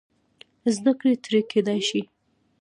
زده کړه ترې کېدای شي.